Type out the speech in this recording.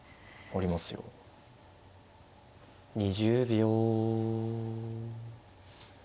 ２０秒。